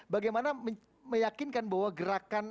bagaimana meyakinkan bahwa gerakan